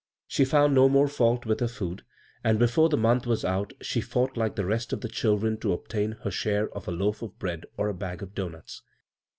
She found no more fauh with her lood, and before the month was out she fought like the rest of the children to ob tain her share of a loaf of bread or a bag of doughnuts.